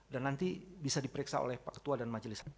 dan nanti bisa diperiksa oleh pak ketua dan majelis